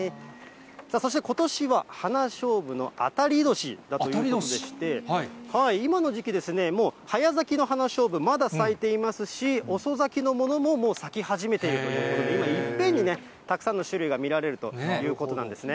そしてことしは、花しょうぶの当たり年だということでして、今の時期ですね、もう早咲きの花しょうぶ、まだ咲いていますし、遅咲きのものももう咲き始めているということで、今、いっぺんにね、たくさんの種類が見られるということなんですね。